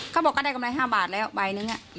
เขาบอกก็ได้กำไรกับ๕บาทใบนึง